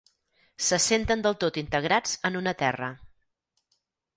Se senten del tot integrats en una terra.